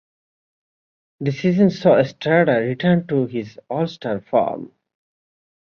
The season saw Estrada return to his All-Star form.